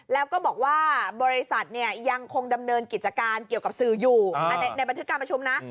แล้วก็บอกว่าบริษัทเนี่ยยังคงดำเนินกิจการเกี่ยวกับสื่ออยู่ในบันทึกการประชุมนะ